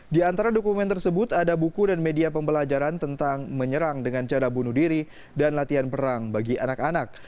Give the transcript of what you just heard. di antara dokumen tersebut ada buku dan media pembelajaran tentang menyerang dengan cara bunuh diri dan latihan perang bagi anak anak